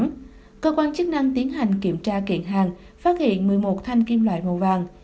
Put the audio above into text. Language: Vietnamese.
cơ quan chức năng tiến hành kiểm tra kiện hàng phát hiện một mươi một thanh kim loại màu vàng